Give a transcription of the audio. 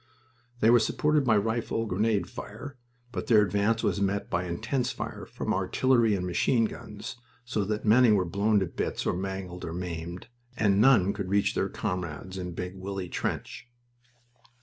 They were supported by rifle grenade fire, but their advance was met by intense fire from artillery and machine guns, so that many were blown to bits or mangled or maimed, and none could reach their comrades in Big Willie trench.